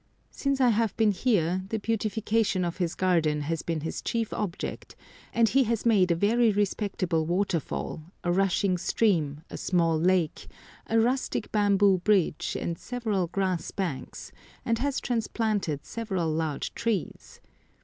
Since I have been here the beautification of his garden has been his chief object, and he has made a very respectable waterfall, a rushing stream, a small lake, a rustic bamboo bridge, and several grass banks, and has transplanted several large trees.